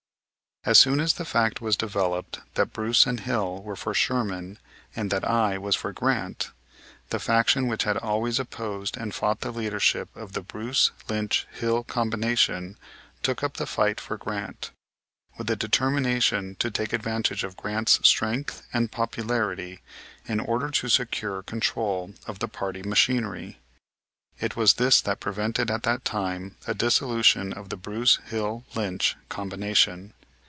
As soon as the fact was developed that Bruce and Hill were for Sherman and that I was for Grant, the faction which had always opposed and fought the leadership of the Bruce Lynch Hill combination took up the fight for Grant, with the determination to take advantage of Grant's strength and popularity in order to secure control of the party machinery. It was this that prevented at that time a dissolution of the Bruce Hill Lynch combination.